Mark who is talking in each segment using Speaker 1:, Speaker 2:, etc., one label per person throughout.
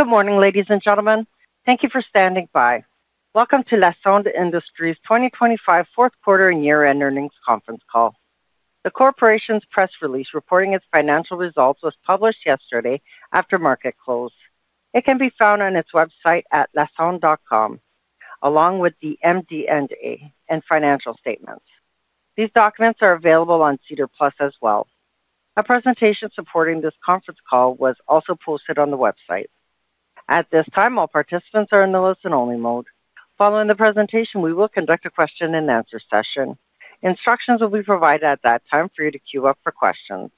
Speaker 1: Good morning, ladies and gentlemen. Thank you for standing by. Welcome to Lassonde Industries 2025 fourth quarter and year-end earnings conference call. The corporation's press release reporting its financial results was published yesterday after market close. It can be found on its website at lassonde.com, along with the MD&A and financial statements. These documents are available on SEDAR+ as well. A presentation supporting this conference call was also posted on the website. At this time, all participants are in the listen-only mode. Following the presentation, we will conduct a question-and-answer session. Instructions will be provided at that time for you to queue up for questions.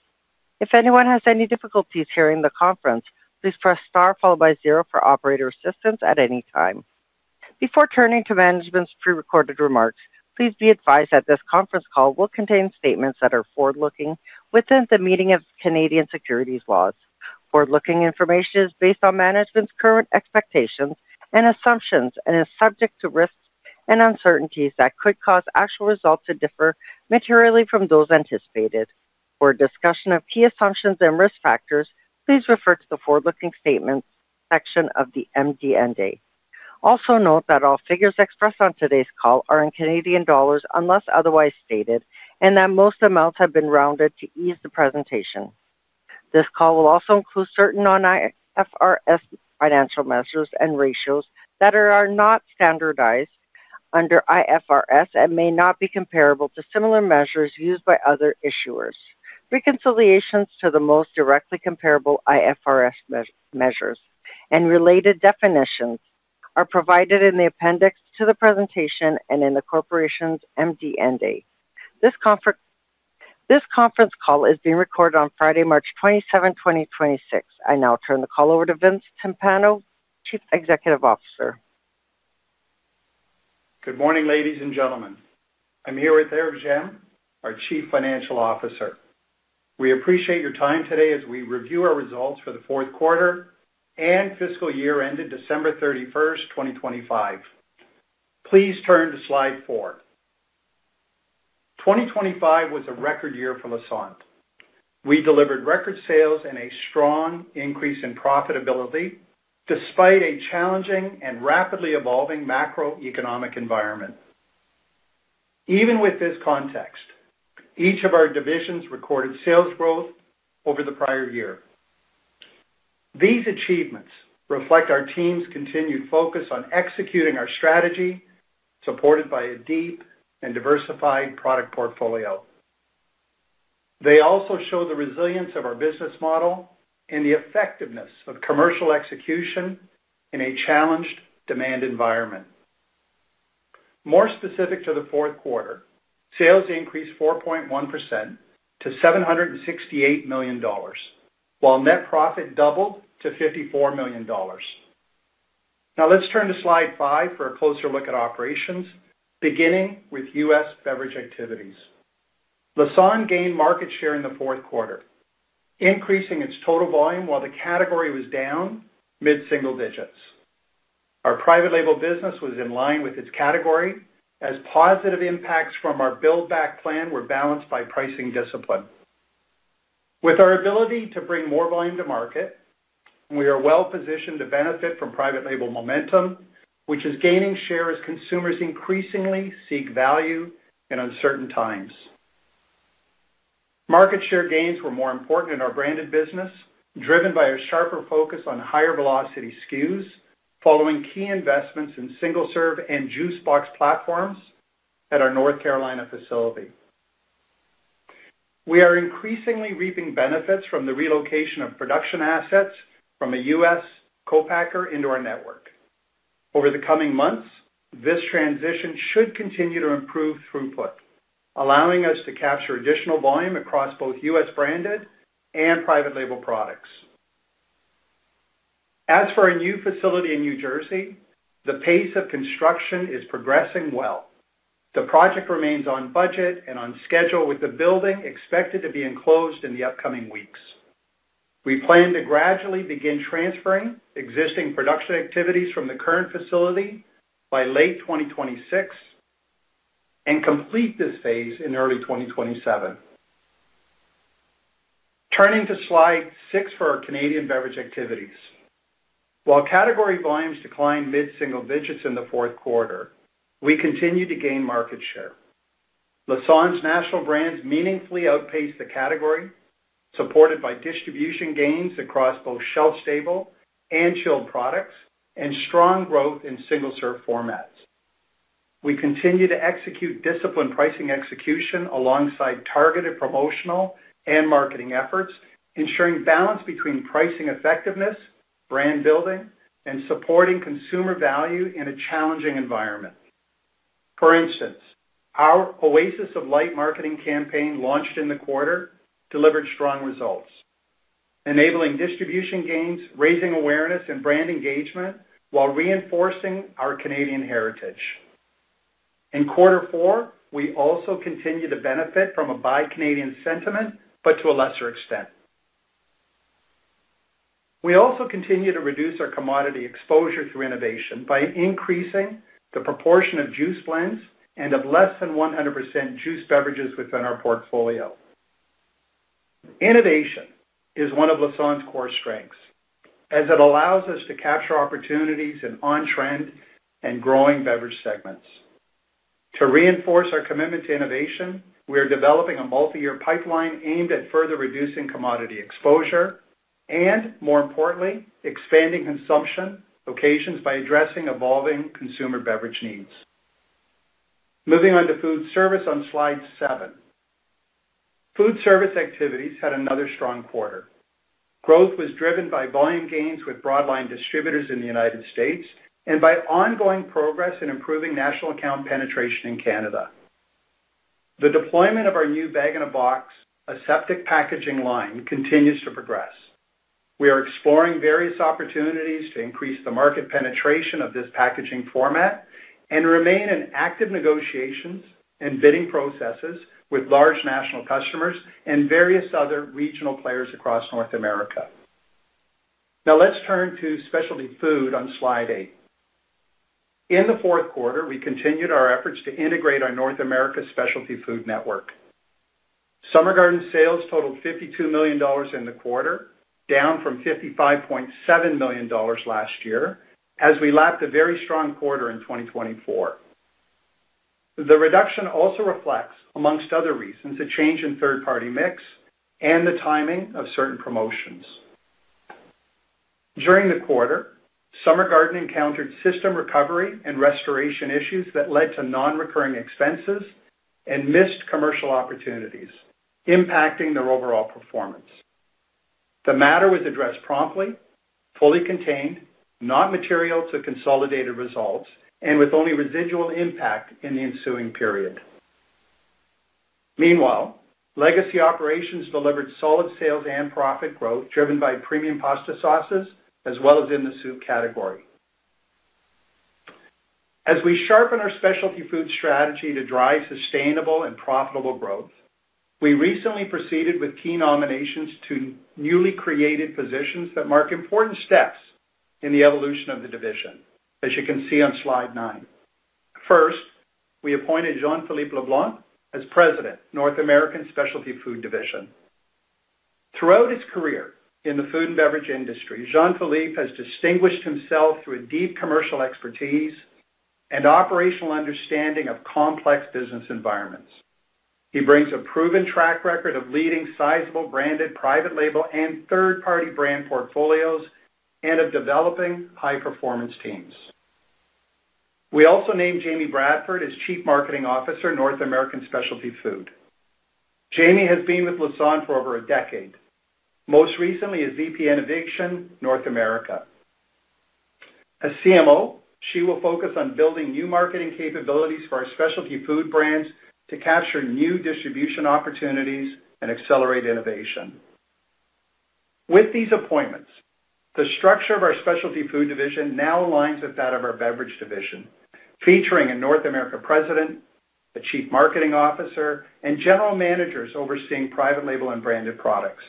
Speaker 1: If anyone has any difficulties hearing the conference, please press star followed by zero for operator assistance at any time. Before turning to management's pre-recorded remarks, please be advised that this conference call will contain statements that are forward-looking within the meaning of Canadian securities laws. Forward-looking information is based on management's current expectations and assumptions and is subject to risks and uncertainties that could cause actual results to differ materially from those anticipated. For a discussion of key assumptions and risk factors, please refer to the Forward-Looking Statements section of the MD&A. Also note that all figures expressed on today's call are in Canadian dollars unless otherwise stated, and that most amounts have been rounded to ease the presentation. This call will also include certain non-IFRS financial measures and ratios that are not standardized under IFRS and may not be comparable to similar measures used by other issuers. Reconciliations to the most directly comparable IFRS measures and related definitions are provided in the appendix to the presentation and in the corporation's MD&A. This conference call is being recorded on Friday, March 27, 2026. I now turn the call over to Vince Timpano, Chief Executive Officer.
Speaker 2: Good morning, ladies and gentlemen. I'm here with Éric Gemme, our Chief Financial Officer. We appreciate your time today as we review our results for the fourth quarter and fiscal year ended December 31st, 2025. Please turn to slide four. 2025 was a record year for Lassonde. We delivered record sales and a strong increase in profitability despite a challenging and rapidly evolving macroeconomic environment. Even with this context, each of our divisions recorded sales growth over the prior year. These achievements reflect our team's continued focus on executing our strategy, supported by a deep and diversified product portfolio. They also show the resilience of our business model and the effectiveness of commercial execution in a challenged demand environment. More specific to the fourth quarter, sales increased 4.1% to 768 million dollars, while net profit doubled to 54 million dollars. Now let's turn to slide five for a closer look at operations, beginning with U.S. beverage activities. Lassonde gained market share in the fourth quarter, increasing its total volume while the category was down mid-single digits. Our private label business was in line with its category as positive impacts from our build back plan were balanced by pricing discipline. With our ability to bring more volume to market, we are well-positioned to benefit from private label momentum, which is gaining share as consumers increasingly seek value in uncertain times. Market share gains were more important in our branded business, driven by a sharper focus on higher velocity SKUs following key investments in single-serve and juice box platforms at our North Carolina facility. We are increasingly reaping benefits from the relocation of production assets from a U.S. co-packer into our network. Over the coming months, this transition should continue to improve throughput, allowing us to capture additional volume across both U.S.-branded and private label products. As for our new facility in New Jersey, the pace of construction is progressing well. The project remains on budget and on schedule, with the building expected to be enclosed in the upcoming weeks. We plan to gradually begin transferring existing production activities from the current facility by late 2026 and complete this phase in early 2027. Turning to slide six for our Canadian beverage activities. While category volumes declined mid-single digits in the fourth quarter, we continued to gain market share. Lassonde's national brands meaningfully outpaced the category, supported by distribution gains across both shelf-stable and chilled products, and strong growth in single-serve formats. We continue to execute disciplined pricing execution alongside targeted promotional and marketing efforts, ensuring balance between pricing effectiveness, brand building, and supporting consumer value in a challenging environment. For instance, our Oasis of Light marketing campaign launched in the quarter delivered strong results, enabling distribution gains, raising awareness and brand engagement while reinforcing our Canadian heritage. In quarter four, we also continued to benefit from a buy Canadian sentiment, but to a lesser extent. We also continue to reduce our commodity exposure through innovation by increasing the proportion of juice blends and of less than 100% juice beverages within our portfolio. Innovation is one of Lassonde's core strengths, as it allows us to capture opportunities in on-trend and growing beverage segments. To reinforce our commitment to innovation, we are developing a multi-year pipeline aimed at further reducing commodity exposure and, more importantly, expanding consumption locations by addressing evolving consumer beverage needs. Moving on to food service on slide seven. Food service activities had another strong quarter. Growth was driven by volume gains with broadline distributors in the United States and by ongoing progress in improving national account penetration in Canada. The deployment of our new bag-in-a-box aseptic packaging line continues to progress. We are exploring various opportunities to increase the market penetration of this packaging format and remain in active negotiations and bidding processes with large national customers and various other regional players across North America. Now let's turn to specialty food on slide eight. In the fourth quarter, we continued our efforts to integrate our North America specialty food network. Summer Garden sales totaled 52 million dollars in the quarter, down from 55.7 million dollars last year, as we lapped a very strong quarter in 2024. The reduction also reflects, among other reasons, a change in third-party mix and the timing of certain promotions. During the quarter, Summer Garden encountered system recovery and restoration issues that led to non-recurring expenses and missed commercial opportunities, impacting their overall performance. The matter was addressed promptly, fully contained, not material to consolidated results, and with only residual impact in the ensuing period. Meanwhile, legacy operations delivered solid sales and profit growth, driven by premium pasta sauces as well as in the soup category. As we sharpen our specialty food strategy to drive sustainable and profitable growth, we recently proceeded with key nominations to newly created positions that mark important steps in the evolution of the division, as you can see on slide nine. First, we appointed Jean-Philippe Leblanc as President, North American Specialty Food Division. Throughout his career in the food and beverage industry, Jean-Philippe has distinguished himself through a deep commercial expertise and operational understanding of complex business environments. He brings a proven track record of leading sizable branded private label and third-party brand portfolios and of developing high-performance teams. We also named Jamie Bradford as Chief Marketing Officer, North American Specialty Food. Jamie has been with Lassonde for over a decade, most recently as VP Innovation, North America. As CMO, she will focus on building new marketing capabilities for our specialty food brands to capture new distribution opportunities and accelerate innovation. With these appointments, the structure of our specialty food division now aligns with that of our beverage division, featuring a North American president, a Chief Marketing Officer, and general managers overseeing private label and branded products.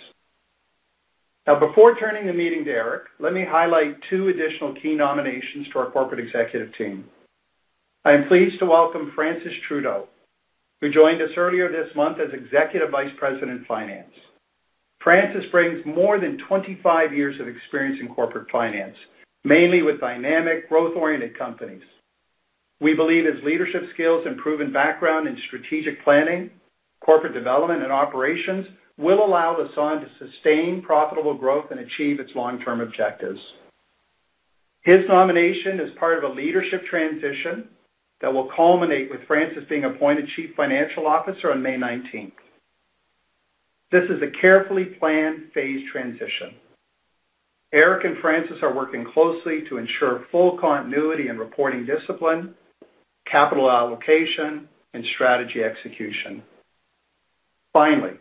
Speaker 2: Now, before turning the meeting to Éric, let me highlight two additional key nominations to our corporate executive team. I am pleased to welcome Francis Trudeau, who joined us earlier this month as Executive Vice President of Finance. Francis brings more than 25 years of experience in corporate finance, mainly with dynamic growth-oriented companies. We believe his leadership skills and proven background in strategic planning, corporate development, and operations will allow Lassonde to sustain profitable growth and achieve its long-term objectives. His nomination is part of a leadership transition that will culminate with Francis being appointed Chief Financial Officer on May 19th. This is a carefully planned phase transition. Éric and Francis are working closely to ensure full continuity in reporting discipline, capital allocation, and strategy execution. Finally,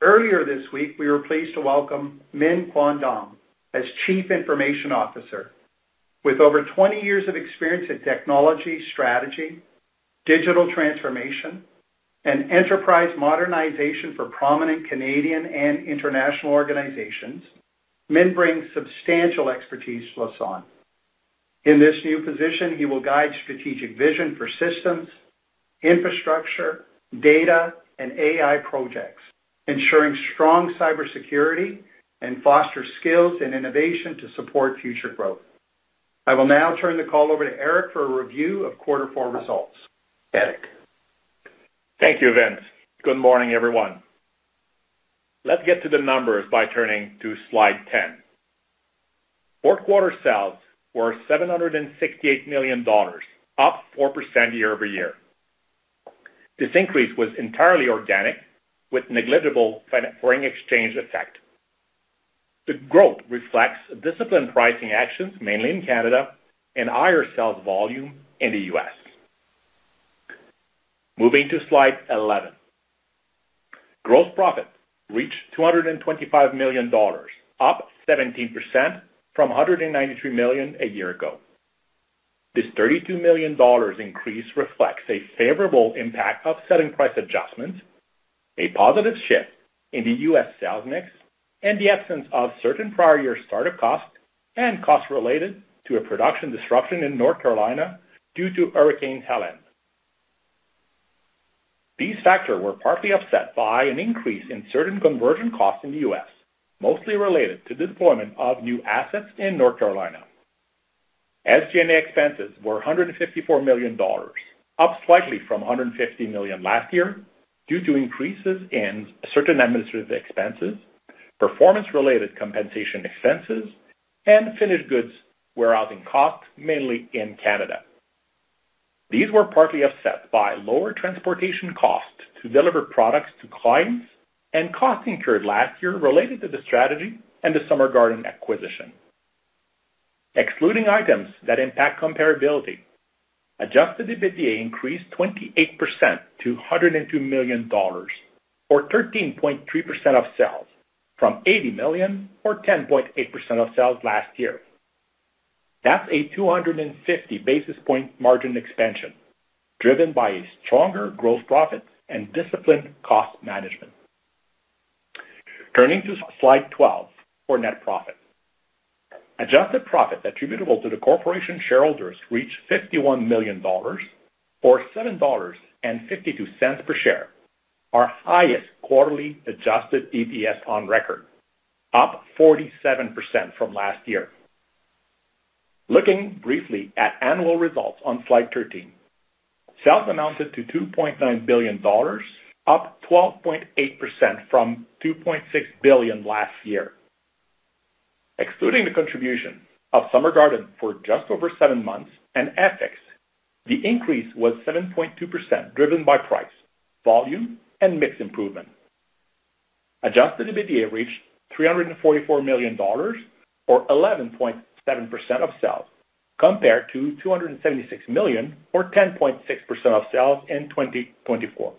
Speaker 2: earlier this week, we were pleased to welcome Minh Quan Dam as Chief Information Officer. With over 20 years of experience in technology strategy, digital transformation, and enterprise modernization for prominent Canadian and international organizations, Minh brings substantial expertise to Lassonde. In this new position, he will guide strategic vision for systems, infrastructure, data, and AI projects, ensuring strong cybersecurity and foster skills and innovation to support future growth. I will now turn the call over to Éric for a review of quarter four results. Éric?
Speaker 3: Thank you, Vince. Good morning, everyone. Let's get to the numbers by turning to slide 10. Fourth quarter sales were 768 million dollars, up 4% year-over-year. This increase was entirely organic, with negligible foreign exchange effect. The growth reflects disciplined pricing actions, mainly in Canada, and higher sales volume in the U.S. Moving to slide 11. Gross profit reached 225 million dollars, up 17% from 193 million a year ago. This 32 million dollars increase reflects a favorable impact of selling price adjustments, a positive shift in the U.S. sales mix, and the absence of certain prior year start-up costs and costs related to a production disruption in North Carolina due to Hurricane Helene. These factors were partly offset by an increase in certain conversion costs in the U.S., mostly related to the deployment of new assets in North Carolina. SG&A expenses were 154 million dollars, up slightly from 150 million last year due to increases in certain administrative expenses, performance-related compensation expenses, and finished goods warehousing costs, mainly in Canada. These were partly offset by lower transportation costs to deliver products to clients and costs incurred last year related to the strategy and the Summer Garden acquisition. Excluding items that impact comparability, Adjusted EBITDA increased 28% to 102 million dollars or 13.3% of sales from 80 million or 10.8% of sales last year. That's a 250 basis point margin expansion, driven by a stronger gross profit and disciplined cost management. Turning to slide 12 for net profit. Adjusted profit attributable to the corporation shareholders reached 51 million dollars or 7.52 per share, our highest quarterly adjusted EPS on record, up 47% from last year. Looking briefly at annual results on slide 13. Sales amounted to 2.9 billion dollars, up 12.8% from 2.6 billion last year. Excluding the contribution of Summer Garden for just over seven months and FX, the increase was 7.2%, driven by price, volume, and mix improvement. Adjusted EBITDA reached 344 million dollars or 11.7% of sales, compared to 276 million or 10.6% of sales in 2024.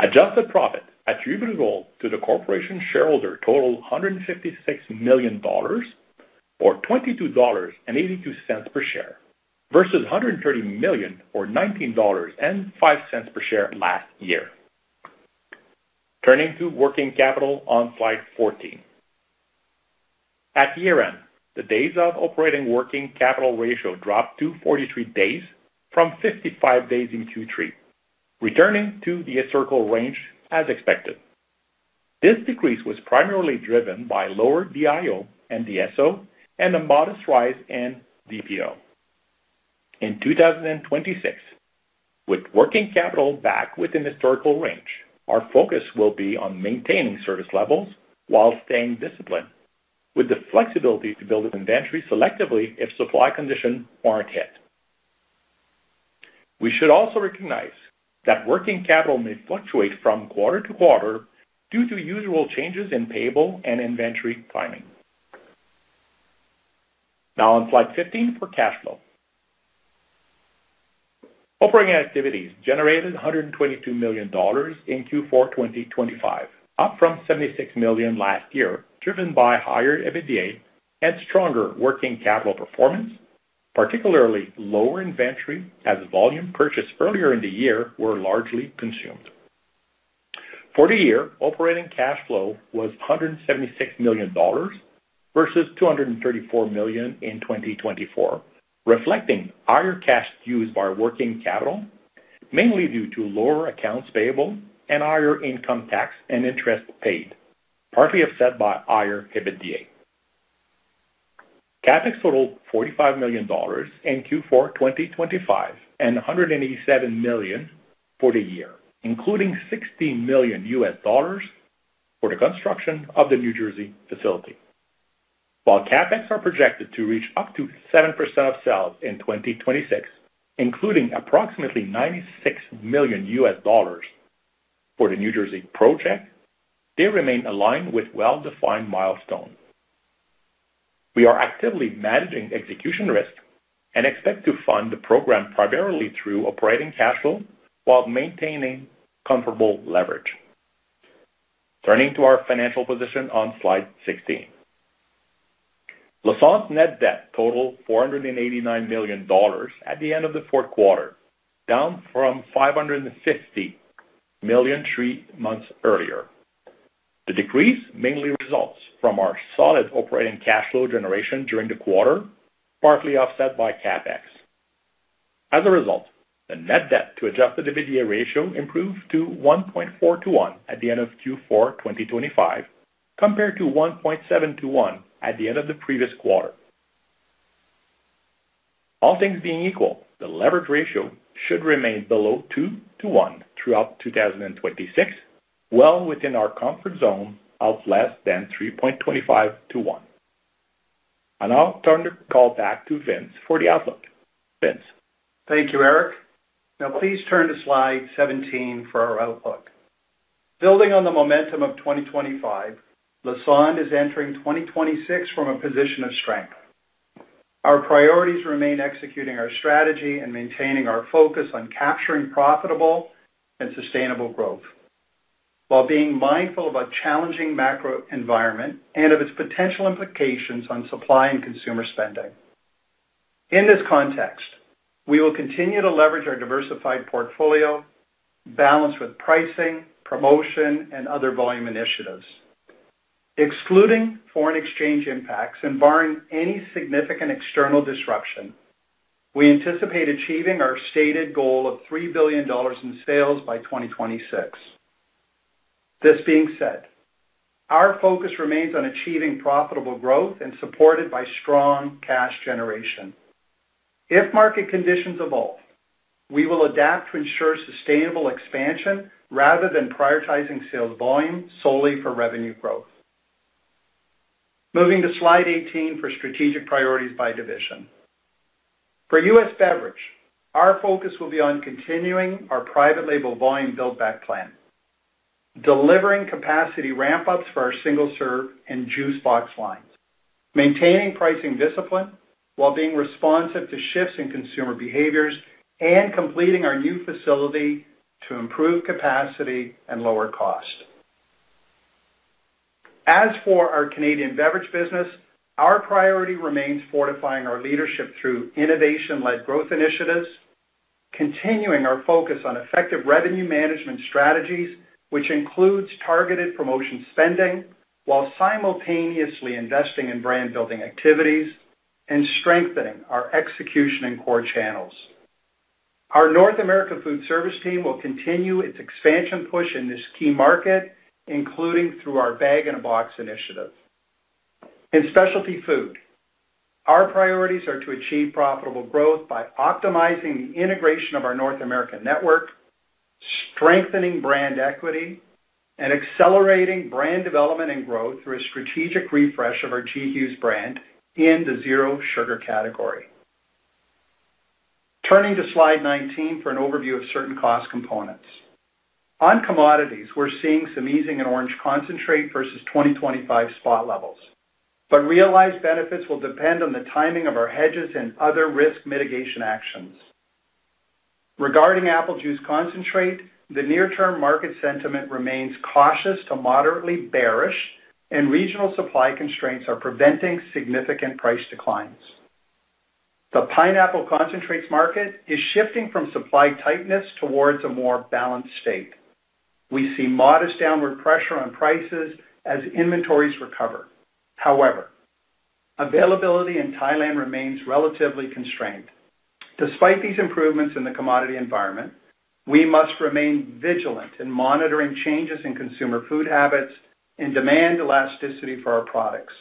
Speaker 3: Adjusted profit attributable to the corporation shareholder total 156 million dollars or 22.82 dollars per share versus 130 million or 19.05 dollars per share last year. Turning to working capital on slide 14. At year-end, the days of operating working capital ratio dropped to 43 days from 55 days in Q3, returning to the historical range as expected. This decrease was primarily driven by lower DIO and DSO and a modest rise in DPO. In 2026, with working capital back within historical range, our focus will be on maintaining service levels while staying disciplined with the flexibility to build an inventory selectively if supply conditions warrant it. We should also recognize that working capital may fluctuate from quarter-to-quarter due to usual changes in payables and inventory timing. Now on slide 15 for cash flow. Operating activities generated 122 million dollars in Q4 2025, up from 76 million last year, driven by higher EBITDA and stronger working capital performance, particularly lower inventory as volume purchased earlier in the year were largely consumed. For the year, operating cash flow was 176 million dollars versus 234 million in 2024, reflecting higher cash used by working capital, mainly due to lower accounts payable and higher income tax and interest paid, partly offset by higher EBITDA. CapEx totaled 45 million dollars in Q4 2025 and 187 million for the year, including $60 million for the construction of the New Jersey facility. While CapEx are projected to reach up to 7% of sales in 2026, including approximately $96 million for the New Jersey project, they remain aligned with well-defined milestones. We are actively managing execution risk and expect to fund the program primarily through operating cash flow while maintaining comfortable leverage. Turning to our financial position on slide 16. Lassonde's net debt totaled 489 million dollars at the end of the fourth quarter, down from 550 million three months earlier. The decrease mainly results from our solid operating cash flow generation during the quarter, partly offset by CapEx. As a result, the net debt to Adjusted EBITDA ratio improved to 1.4 to 1 at the end of Q4 2025, compared to 1.7 to 1 at the end of the previous quarter. All things being equal, the leverage ratio should remain below 2 to 1 throughout 2026, well within our comfort zone of less than 3.25 to 1. I now turn the call back to Vince for the outlook. Vince?
Speaker 2: Thank you, Éric. Now please turn to slide 17 for our outlook. Building on the momentum of 2025, Lassonde is entering 2026 from a position of strength. Our priorities remain executing our strategy and maintaining our focus on capturing profitable and sustainable growth while being mindful of a challenging macro environment and of its potential implications on supply and consumer spending. In this context, we will continue to leverage our diversified portfolio balance with pricing, promotion, and other volume initiatives. Excluding foreign exchange impacts and barring any significant external disruption, we anticipate achieving our stated goal of 3 billion dollars in sales by 2026. This being said, our focus remains on achieving profitable growth and supported by strong cash generation. If market conditions evolve, we will adapt to ensure sustainable expansion rather than prioritizing sales volume solely for revenue growth. Moving to slide 18 for strategic priorities by division. For U.S. Beverage, our focus will be on continuing our private label volume build back plan, delivering capacity ramp ups for our single serve and juice box lines, maintaining pricing discipline while being responsive to shifts in consumer behaviors, and completing our new facility to improve capacity and lower cost. As for our Canadian beverage business, our priority remains fortifying our leadership through innovation-led growth initiatives, continuing our focus on effective revenue management strategies, which includes targeted promotion spending while simultaneously investing in brand building activities and strengthening our execution in core channels. Our North American food service team will continue its expansion push in this key market, including through our bag-in-a-box initiative. In specialty food, our priorities are to achieve profitable growth by optimizing the integration of our North American network, strengthening brand equity and accelerating brand development and growth through a strategic refresh of our G Hughes brand in the zero sugar category. Turning to slide 19 for an overview of certain cost components. On commodities, we're seeing some easing in orange concentrate versus 2025 spot levels, but realized benefits will depend on the timing of our hedges and other risk mitigation actions. Regarding apple juice concentrate, the near term market sentiment remains cautious to moderately bearish, and regional supply constraints are preventing significant price declines. The pineapple concentrates market is shifting from supply tightness towards a more balanced state. We see modest downward pressure on prices as inventories recover. However, availability in Thailand remains relatively constrained. Despite these improvements in the commodity environment, we must remain vigilant in monitoring changes in consumer food habits and demand elasticity for our products.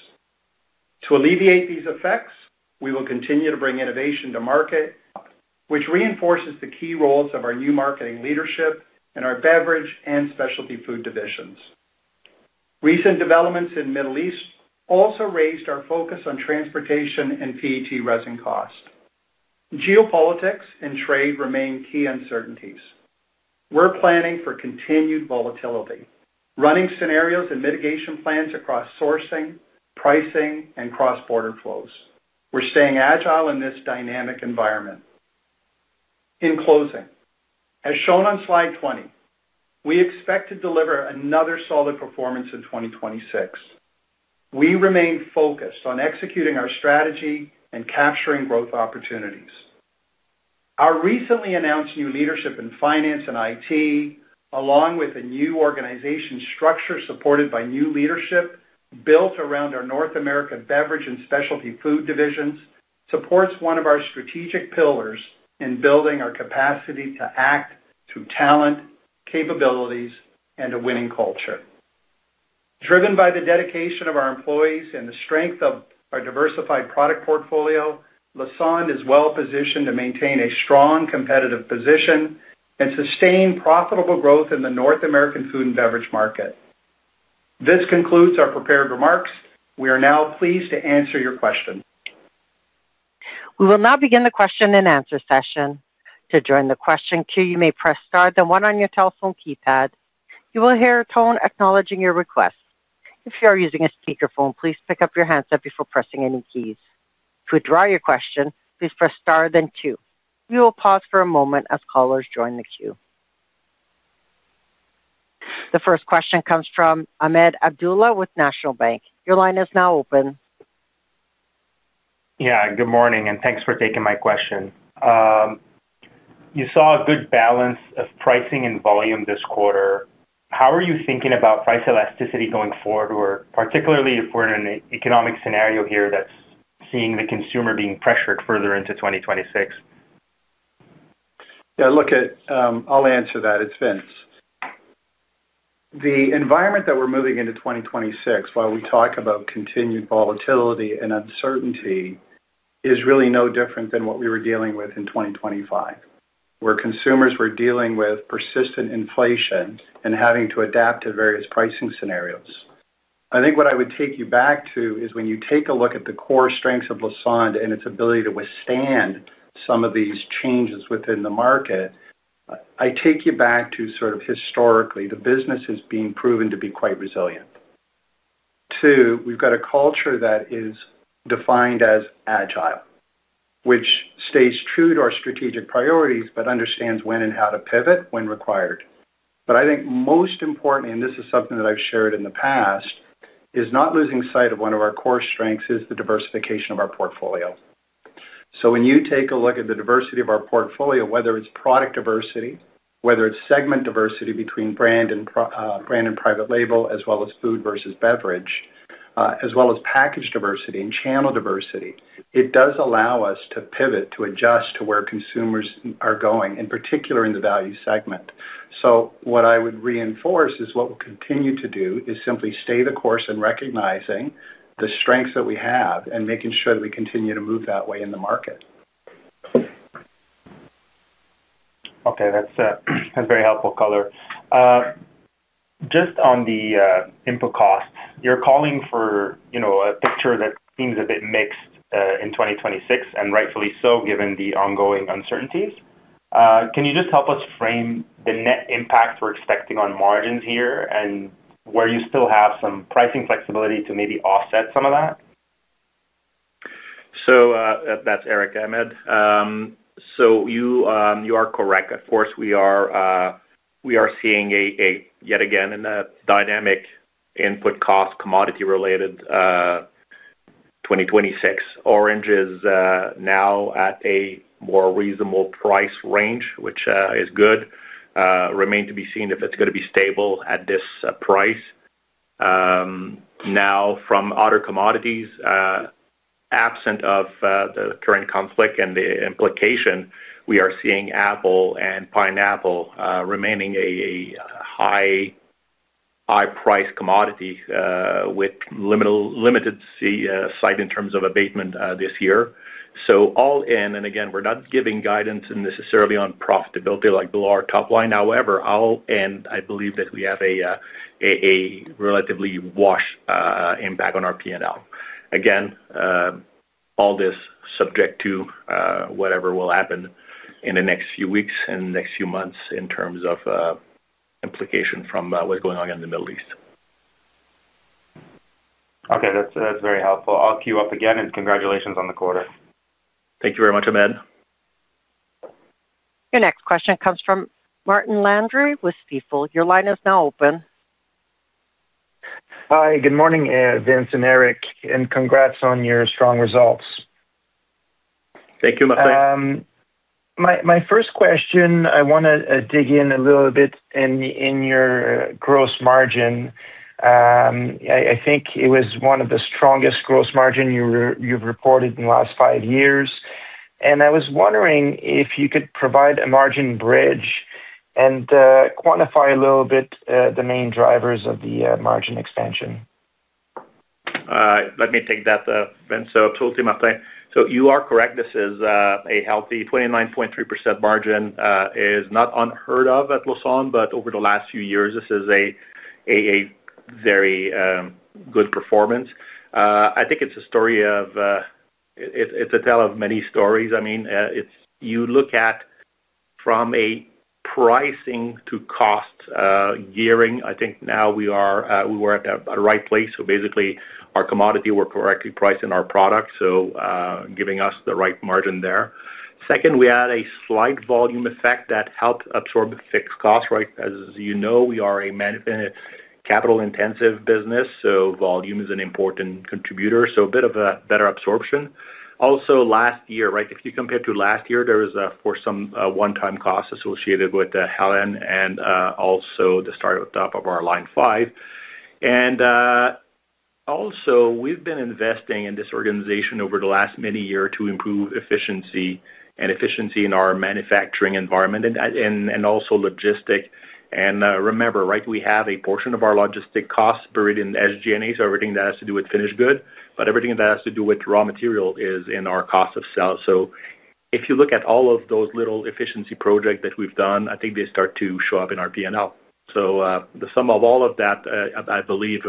Speaker 2: To alleviate these effects, we will continue to bring innovation to market, which reinforces the key roles of our new marketing leadership in our beverage and specialty food divisions. Recent developments in Middle East also raised our focus on transportation and PET resin cost. Geopolitics and trade remain key uncertainties. We're planning for continued volatility, running scenarios and mitigation plans across sourcing, pricing, and cross-border flows. We're staying agile in this dynamic environment. In closing, as shown on slide 20, we expect to deliver another solid performance in 2026. We remain focused on executing our strategy and capturing growth opportunities. Our recently announced new leadership in finance and IT, along with a new organization structure supported by new leadership built around our North American beverage and specialty food divisions, supports one of our strategic pillars in building our capacity to act through talent, capabilities, and a winning culture. Driven by the dedication of our employees and the strength of our diversified product portfolio, Lassonde is well positioned to maintain a strong competitive position and sustain profitable growth in the North American food and beverage market. This concludes our prepared remarks. We are now pleased to answer your questions.
Speaker 1: We will now begin the question and answer session. We will pause for a moment as callers join the queue. The first question comes from Ahmed Abdullah with National Bank. Your line is now open.
Speaker 4: Yeah, good morning, and thanks for taking my question. You saw a good balance of pricing and volume this quarter. How are you thinking about price elasticity going forward, or particularly if we're in an economic scenario here that's seeing the consumer being pressured further into 2026?
Speaker 2: I'll answer that, it's Vince. The environment that we're moving into 2026, while we talk about continued volatility and uncertainty, is really no different than what we were dealing with in 2025, where consumers were dealing with persistent inflation and having to adapt to various pricing scenarios. I think what I would take you back to is when you take a look at the core strengths of Lassonde and its ability to withstand some of these changes within the market. I take you back to sort of historically, the business has been proven to be quite resilient. Two, we've got a culture that is defined as agile, which stays true to our strategic priorities, but understands when and how to pivot when required. I think most important, and this is something that I've shared in the past, is not losing sight of one of our core strengths is the diversification of our portfolio. When you take a look at the diversity of our portfolio, whether it's product diversity, whether it's segment diversity between brand and private label, as well as food versus beverage, as well as package diversity and channel diversity, it does allow us to pivot, to adjust to where consumers are going, in particular in the value segment. What I would reinforce is what we'll continue to do is simply stay the course in recognizing the strengths that we have and making sure that we continue to move that way in the market.
Speaker 4: Okay. That's very helpful color. Just on the input cost, you're calling for, you know, a picture that seems a bit mixed in 2026, and rightfully so, given the ongoing uncertainties. Can you just help us frame the net impact we're expecting on margins here and where you still have some pricing flexibility to maybe offset some of that?
Speaker 3: It's Éric, Ahmed. You are correct. Of course, we are seeing yet again a dynamic input cost commodity related 2026. Orange is now at a more reasonable price range, which is good. It remains to be seen if it's gonna be stable at this price. Now from other commodities, absent of the current conflict and the implication, we are seeing apple and pineapple remaining a high price commodity, with limited sight in terms of abatement this year. All in, and again, we're not giving guidance necessarily on profitability like below our top line. However, all in, I believe that we have a relatively wash impact on our P&L. Again, all this subject to whatever will happen in the next few weeks and next few months in terms of implication from what's going on in the Middle East.
Speaker 4: Okay. That's very helpful. I'll queue up again, and congratulations on the quarter.
Speaker 3: Thank you very much, Ahmed.
Speaker 1: Your next question comes from Martin Landry with Stifel. Your line is now open.
Speaker 5: Hi. Good morning, Vince and Éric, and congrats on your strong results.
Speaker 3: Thank you, Martin.
Speaker 5: My first question, I wanna dig in a little bit in your gross margin. I think it was one of the strongest gross margin you've reported in the last five years. I was wondering if you could provide a margin bridge and quantify a little bit the main drivers of the margin expansion.
Speaker 3: Let me take that, Vince. Absolutely, Martin. You are correct. This is a healthy 29.3% margin is not unheard of at Lassonde, but over the last few years, this is a very good performance. I think it's a story of. It's a tale of many stories. I mean, you look at from a pricing to cost gearing, I think now we were at a right place, so basically our commodity were correctly priced in our product, so giving us the right margin there. Second, we had a slight volume effect that helped absorb fixed costs, right? As you know, we are a capital-intensive business, so volume is an important contributor, so a bit of a better absorption. Also last year, right? If you compare to last year, there was for some one-time costs associated with Hurricane Helene and also the startup of our [Line 5]. Also, we've been investing in this organization over the last maybe year or two to improve efficiency in our manufacturing environment and also logistics. Remember, right, we have a portion of our logistics costs buried in SG&A, so everything that has to do with finished goods, but everything that has to do with raw material is in our cost of sales. If you look at all of those little efficiency projects that we've done, I think they start to show up in our P&L. The sum of all of that, I believe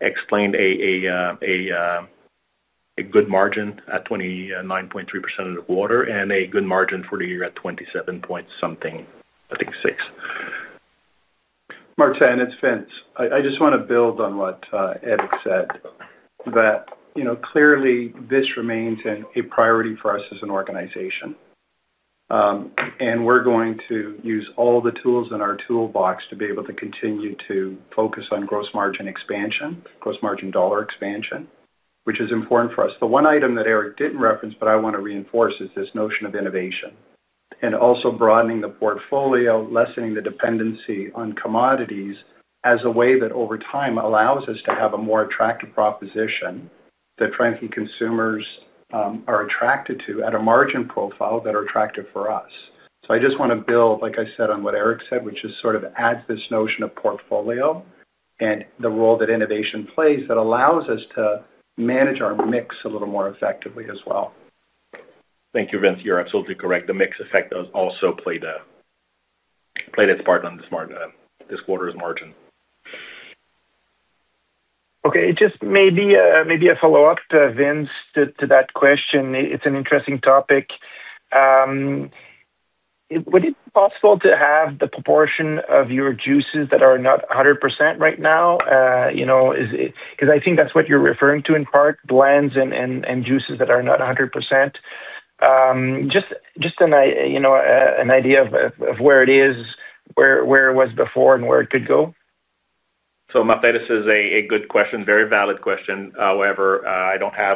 Speaker 3: explained a good margin at 29.3% of the quarter and a good margin for the year at 27.6%, I think.
Speaker 2: Martin, it's Vince. I just wanna build on what Éric said, that you know, clearly this remains a priority for us as an organization. We're going to use all the tools in our toolbox to be able to continue to focus on gross margin expansion, gross margin dollar expansion, which is important for us. The one item that Éric didn't reference, but I wanna reinforce, is this notion of innovation and also broadening the portfolio, lessening the dependency on commodities as a way that over time allows us to have a more attractive proposition that frankly consumers are attracted to at a margin profile that are attractive for us. I just wanna build, like I said, on what Éric said, which is sort of adds this notion of portfolio and the role that innovation plays that allows us to manage our mix a little more effectively as well.
Speaker 3: Thank you, Vince. You're absolutely correct. The mix effect does also play its part on this quarter's margin.
Speaker 5: Okay. Just maybe a follow-up to Vince to that question. It's an interesting topic. Would it be possible to have the proportion of your juices that are not 100% right now? You know, is it 'cause I think that's what you're referring to in part, blends and juices that are not 100%. Just an idea of where it is, where it was before, and where it could go.
Speaker 3: Martin, this is a good question, very valid question. However,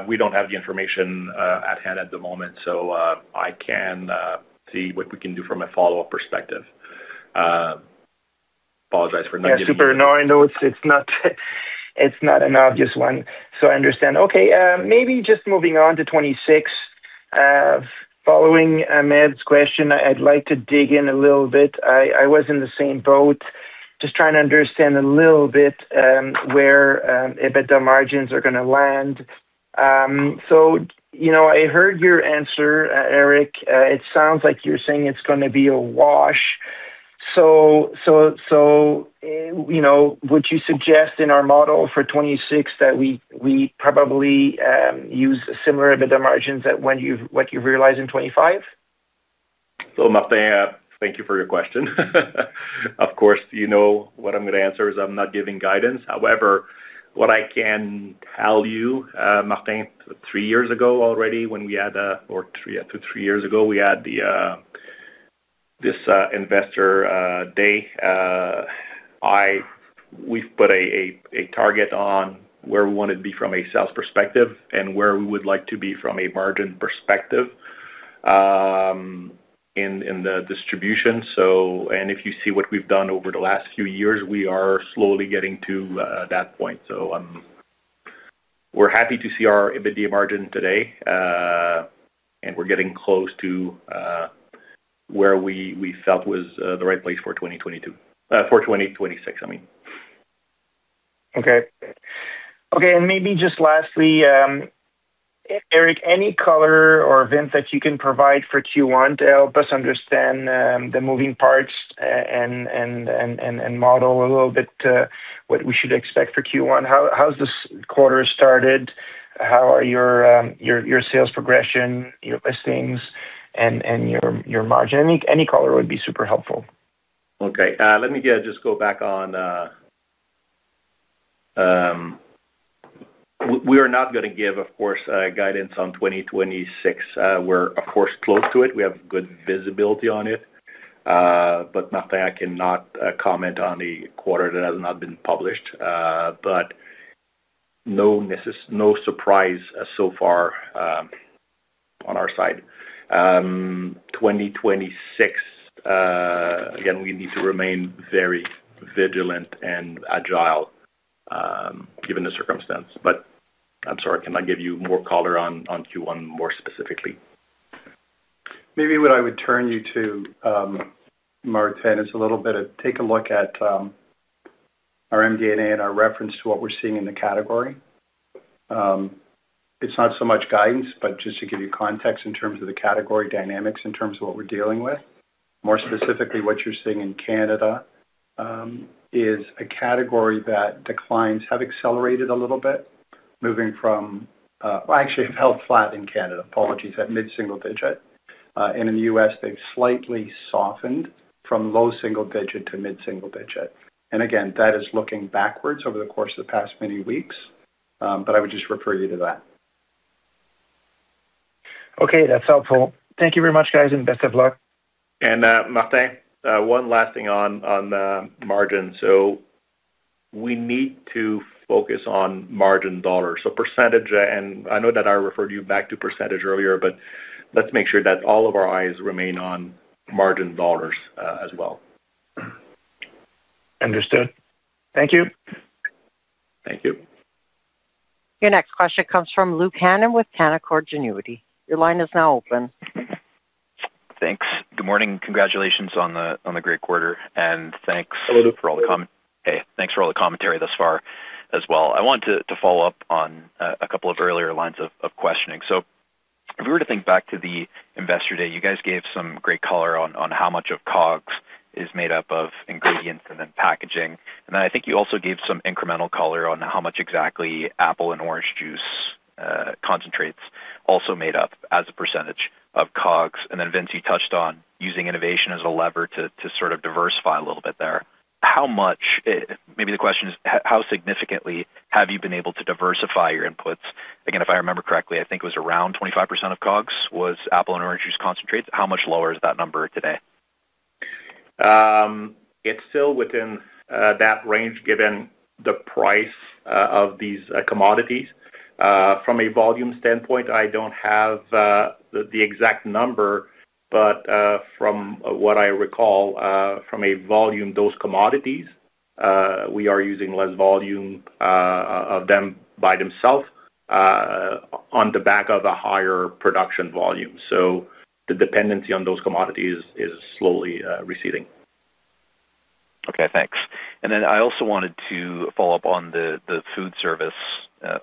Speaker 3: we don't have the information at hand at the moment, so I can see what we can do from a follow-up perspective. I apologize for not giving you.
Speaker 5: Yeah, super. No, I know it's not an obvious one, so I understand. Okay. Maybe just moving on to 2026. Following Ahmed's question, I'd like to dig in a little bit. I was in the same boat just trying to understand a little bit where EBITDA margins are gonna land. You know, I heard your answer, Éric. It sounds like you're saying it's gonna be a wash. You know, would you suggest in our model for 2026 that we probably use similar EBITDA margins to what you realized in 2025?
Speaker 3: Martin, thank you for your question. Of course, you know what I'm gonna answer is I'm not giving guidance. However, what I can tell you, Martin, two or three years ago we had this investor day. We've put a target on where we wanted to be from a sales perspective and where we would like to be from a margin perspective in the distribution. If you see what we've done over the last few years, we are slowly getting to that point. We're happy to see our EBITDA margin today, and we're getting close to where we felt was the right place for 2022. For 2026, I mean.
Speaker 5: Okay, maybe just lastly, Éric, any color or events that you can provide for Q1 to help us understand the moving parts and model a little bit what we should expect for Q1? How's this quarter started? How are your sales progression, your listings and your margin? Any color would be super helpful.
Speaker 3: We are not gonna give, of course, guidance on 2026. We're of course close to it. We have good visibility on it. Martin, I cannot comment on a quarter that has not been published. No surprise so far on our side. 2026, again, we need to remain very vigilant and agile, given the circumstance. I'm sorry, cannot give you more color on Q1 more specifically.
Speaker 2: Maybe what I would turn you to, Martin, is to take a look at our MD&A and our reference to what we're seeing in the category. It's not so much guidance, but just to give you context in terms of the category dynamics in terms of what we're dealing with. More specifically, what you're seeing in Canada is a category that declines have accelerated a little bit moving from. Well, actually have held flat in Canada, apologies, at mid-single-digit. And in the U.S., they've slightly softened from low-single-digit to mid-single-digit. Again, that is looking backwards over the course of the past many weeks, but I would just refer you to that.
Speaker 5: Okay. That's helpful. Thank you very much, guys, and best of luck.
Speaker 3: Martin, one last thing on the margin. We need to focus on margin dollars. Percentage, and I know that I referred you back to percentage earlier, but let's make sure that all of our eyes remain on margin dollars, as well.
Speaker 5: Understood. Thank you.
Speaker 3: Thank you.
Speaker 1: Your next question comes from Luke Hannan with Canaccord Genuity. Your line is now open.
Speaker 6: Thanks. Good morning. Congratulations on the great quarter, and thanks.
Speaker 3: Hello, Luke.
Speaker 6: Thanks for all the commentary thus far as well. I want to follow up on a couple of earlier lines of questioning. If we were to think back to the investor day, you guys gave some great color on how much of COGS is made up of ingredients and then packaging. I think you also gave some incremental color on how much exactly apple and orange juice concentrates also made up as a percentage of COGS. Vince, you touched on using innovation as a lever to sort of diversify a little bit there. How much, maybe the question is: How significantly have you been able to diversify your inputs? Again, if I remember correctly, I think it was around 25% of COGS was apple and orange juice concentrates. How much lower is that number today?
Speaker 3: It's still within that range given the price of these commodities. From a volume standpoint, I don't have the exact number, but from what I recall, from a volume, those commodities, we are using less volume of them by themselves, on the back of a higher production volume. The dependency on those commodities is slowly receding.
Speaker 6: Okay, thanks. And then I also wanted to follow up on the food service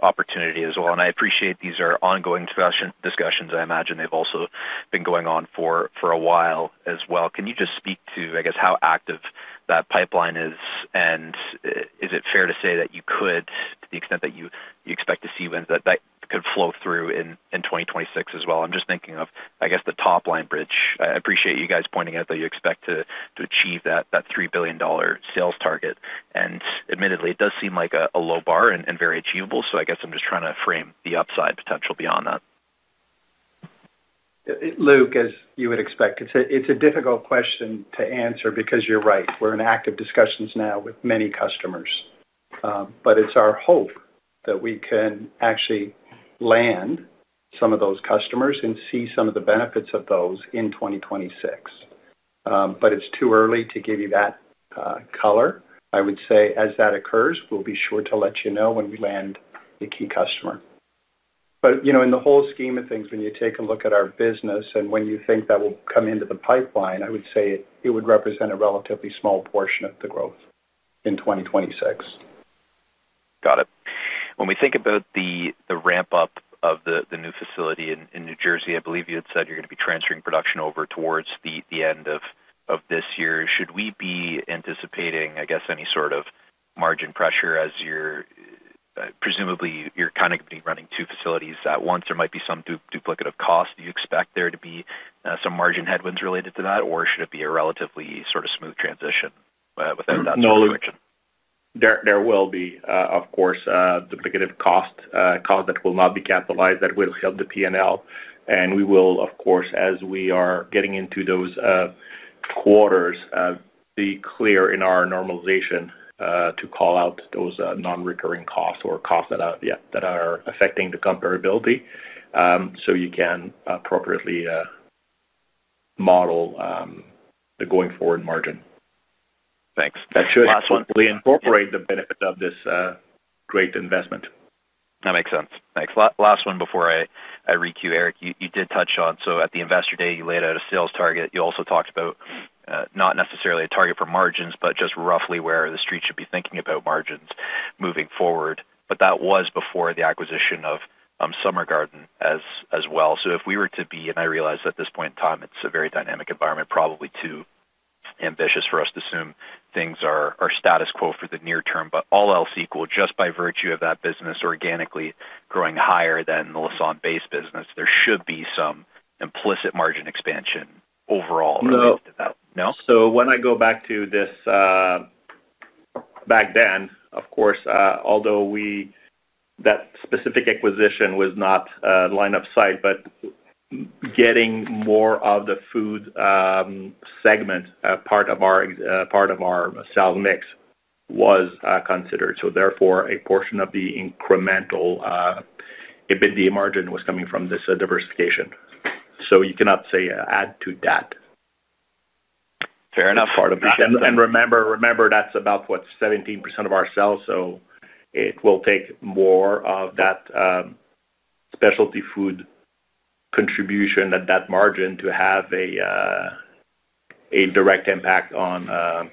Speaker 6: opportunity as well. I appreciate these are ongoing discussions. I imagine they've also been going on for a while as well. Can you just speak to, I guess, how active that pipeline is? Is it fair to say that you could, to the extent that you expect to see wins that could flow through in 2026 as well? I'm just thinking of, I guess, the top-line bridge. I appreciate you guys pointing out that you expect to achieve that 3 billion dollar sales target. Admittedly, it does seem like a low bar and very achievable, so I guess I'm just trying to frame the upside potential beyond that.
Speaker 2: Luke, as you would expect, it's a difficult question to answer because you're right. We're in active discussions now with many customers but it's our hope that we can actually land some of those customers and see some of the benefits of those in 2026. It's too early to give you that color. I would say, as that occurs, we'll be sure to let you know when we land a key customer. You know, in the whole scheme of things, when you take a look at our business and when you think that will come into the pipeline, I would say it would represent a relatively small portion of the growth in 2026.
Speaker 6: Got it. When we think about the ramp-up of the new facility in New Jersey, I believe you had said you're gonna be transferring production over towards the end of this year. Should we be anticipating, I guess, any sort of margin pressure as you're, presumably, kinda gonna be running two facilities at once. There might be some duplicative cost. Do you expect there to be some margin headwinds related to that, or should it be a relatively sort of smooth transition within that direction?
Speaker 3: No. There will be, of course, duplicative cost that will not be capitalized, that will help the P&L. We will, of course, as we are getting into those quarters, be clear in our normalization to call out those non-recurring costs or costs that are affecting the comparability. So you can appropriately model the going forward margin.
Speaker 6: Thanks. Last one.
Speaker 3: That should hopefully incorporate the benefit of this great investment.
Speaker 6: That makes sense. Thanks. Last one before I re-queue. Éric, you did touch on so at the investor day, you laid out a sales target. You also talked about not necessarily a target for margins, but just roughly where the Street should be thinking about margins moving forward. But that was before the acquisition of Summer Garden as well. If we were to be, and I realize at this point in time, it's a very dynamic environment, probably too ambitious for us to assume things are status quo for the near term, but all else equal, just by virtue of that business organically growing higher than the Lassonde base business, there should be some implicit margin expansion overall related to that.
Speaker 3: No.
Speaker 6: No?
Speaker 3: When I go back to this, back then, of course, although that specific acquisition was not line of sight, but getting more of the food segment part of our sales mix was considered. Therefore, a portion of the incremental EBITDA margin was coming from this diversification. You cannot say add to that.
Speaker 6: Fair enough.
Speaker 3: Remember that's about, what, 17% of our sales, so it will take more of that specialty food contribution at that margin to have a direct impact on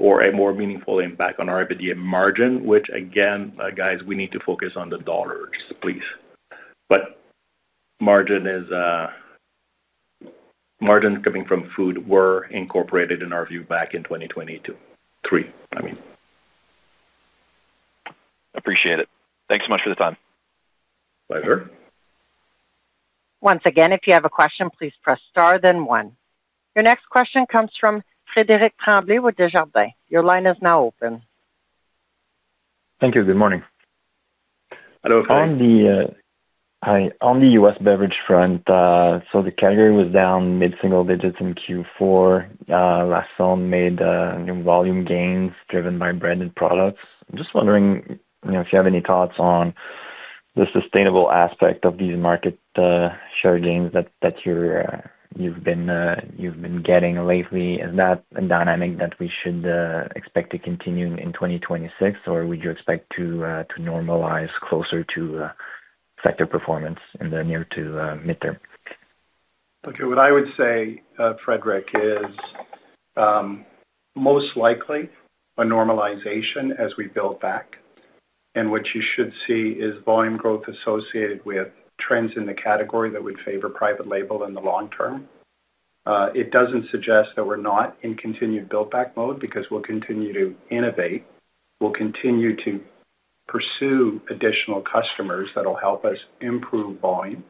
Speaker 3: or a more meaningful impact on our EBITDA margin, which again, guys, we need to focus on the dollars, please. Margin is, margins coming from food were incorporated in our view back in 2022. 2023, I mean.
Speaker 6: Appreciate it. Thanks so much for the time.
Speaker 3: Pleasure.
Speaker 1: Once again, if you have a question, please press star then one. Your next question comes from Frederic Tremblay with Desjardins. Your line is now open.
Speaker 7: Thank you. Good morning.
Speaker 2: Hello, Frederic.
Speaker 7: On the U.S. beverage front, the category was down mid-single digits in Q4. Lassonde made volume gains driven by branded products. I'm just wondering, you know, if you have any thoughts on the sustainable aspect of these market share gains that you've been getting lately. Is that a dynamic that we should expect to continue in 2026, or would you expect to normalize closer to sector performance in the near- to midterm?
Speaker 2: Okay. What I would say, Frederic, is most likely a normalization as we build back, and what you should see is volume growth associated with trends in the category that would favor private label in the long term. It doesn't suggest that we're not in continued build back mode because we'll continue to innovate. We'll continue to pursue additional customers that'll help us improve volume.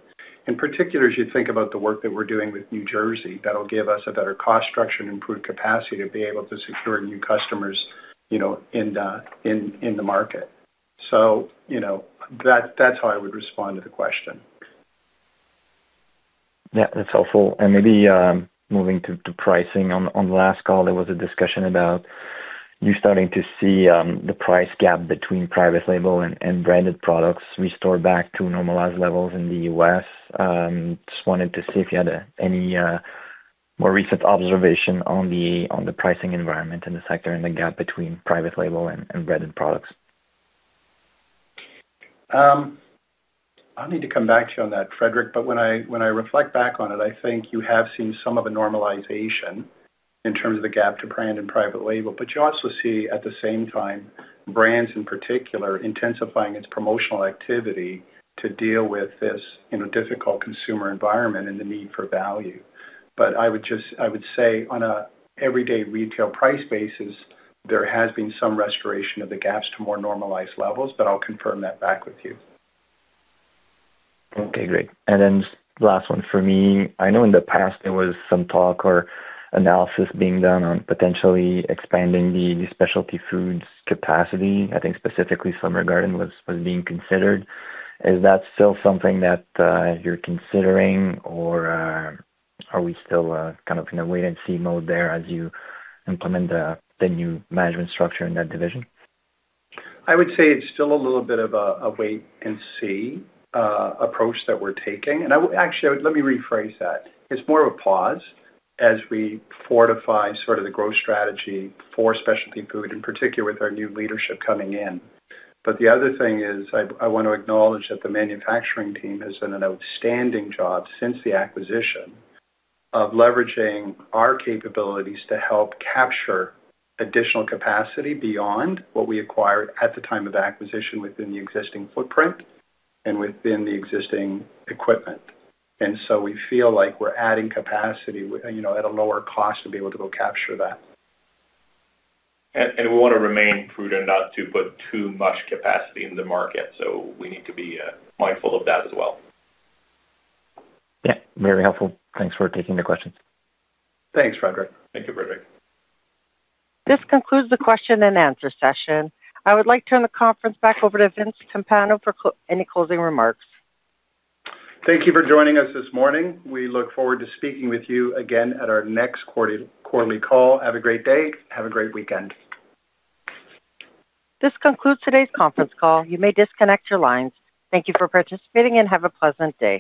Speaker 2: In particular, as you think about the work that we're doing with New Jersey, that'll give us a better cost structure and improved capacity to be able to secure new customers, you know, in the market. You know, that's how I would respond to the question.
Speaker 7: Yeah, that's helpful. Maybe moving to pricing. On the last call, there was a discussion about you starting to see the price gap between private label and branded products restore back to normalized levels in the U.S. Just wanted to see if you had any more recent observation on the pricing environment in the sector and the gap between private label and branded products.
Speaker 2: I'll need to come back to you on that, Frederic. When I reflect back on it, I think you have seen some of the normalization in terms of the gap to brand and private label. You also see, at the same time, brands in particular intensifying its promotional activity to deal with this in a difficult consumer environment and the need for value. I would say on a everyday retail price basis, there has been some restoration of the gaps to more normalized levels, but I'll confirm that back with you.
Speaker 7: Okay, great. Last one for me. I know in the past there was some talk or analysis being done on potentially expanding the specialty foods capacity. I think specifically Summer Garden was being considered. Is that still something that you're considering or are we still kind of in a wait-and-see mode there as you implement the new management structure in that division?
Speaker 2: I would say it's still a little bit of a wait-and-see approach that we're taking. Actually, let me rephrase that. It's more of a pause as we fortify sort of the growth strategy for specialty food, in particular with our new leadership coming in. The other thing is, I want to acknowledge that the manufacturing team has done an outstanding job since the acquisition of leveraging our capabilities to help capture additional capacity beyond what we acquired at the time of acquisition within the existing footprint and within the existing equipment. We feel like we're adding capacity with, you know, at a lower cost to be able to go capture that.
Speaker 3: We wanna remain prudent not to put too much capacity in the market, so we need to be mindful of that as well.
Speaker 7: Yeah, very helpful. Thanks for taking the questions.
Speaker 2: Thanks, Frederic.
Speaker 3: Thank you, Frederic.
Speaker 1: This concludes the question and answer session. I would like to turn the conference back over to Vince Timpano for any closing remarks.
Speaker 2: Thank you for joining us this morning. We look forward to speaking with you again at our next quarterly call. Have a great day. Have a great weekend.
Speaker 1: This concludes today's conference call. You may disconnect your lines. Thank you for participating and have a pleasant day.